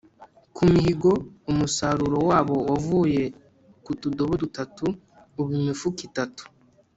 ku mihigo, umusaruro wabo wavuye ku tudobo dutatu uba imifuka itatu